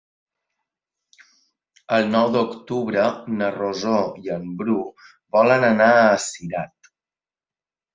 El nou d'octubre na Rosó i en Bru volen anar a Cirat.